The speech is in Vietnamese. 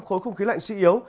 khối không khí lạnh suy yếu